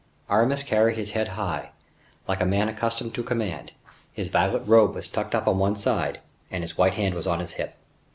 Aramis carried his head high, like a man accustomed to command: his violet robe was tucked up on one side, and his white hand was on his hip.